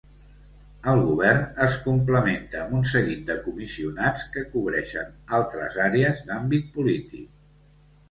El govern es complementa amb un seguit de comissionats que cobreixen altres àrees d'àmbit polític.